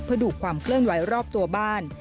เพื่อดูความเคลื่อนไหวรอบตัวบ้าน